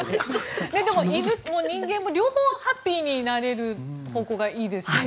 犬も人間も両方ハッピーになれる方向がいいですよね。